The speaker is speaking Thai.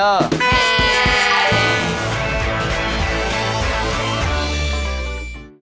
โปรดติดตามตอนต่อไป